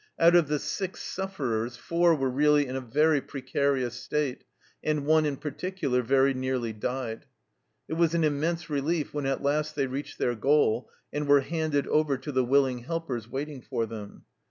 Out of the six sufferers, four were really in a very precarious state and one in particular very nearly died. It was an immense relief when at last they reached their goal and were handed over to the willing helpers waiting for them.